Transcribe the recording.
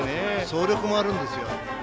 走力もあるんですよ。